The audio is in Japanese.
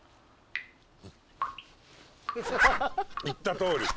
言ったとおり。